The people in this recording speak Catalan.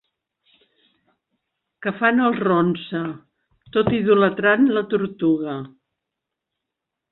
Que fan el ronsa, tot idolatrant la tortuga.